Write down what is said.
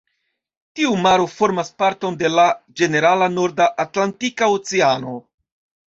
Tiu maro formas parton de la ĝenerala norda Atlantika Oceano.